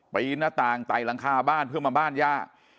หน้าต่างไต่หลังคาบ้านเพื่อมาบ้านย่า